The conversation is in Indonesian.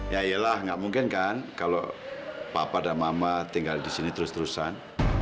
ya iyalah nggak mungkin kan kalau papa dan mama tinggal di sini terus terusan